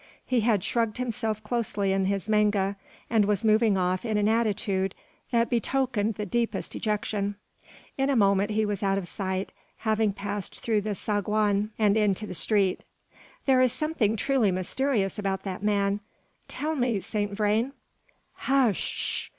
He had shrugged himself closely in his manga, and was moving off in an attitude that betokened the deepest dejection. In a moment he was out of sight, having passed through the saguan, and into the street. "There is something truly mysterious about that man. Tell me, Saint Vrain " "Hush sh!